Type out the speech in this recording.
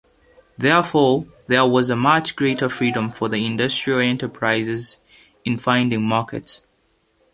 Therefore, there was a much greater freedom for the industrial enterprises in finding markets.